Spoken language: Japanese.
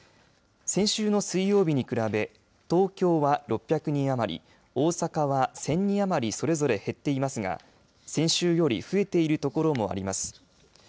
先週の水曜日に比べ東京は６００人余り大阪は１０００人余りそれぞれ減っていますが先週より増えている所もあります。